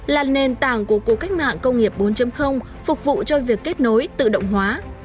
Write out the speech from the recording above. là nền tảng của cố cách mạng công nghiệp bốn phục vụ cho việc kết nối tự động hóa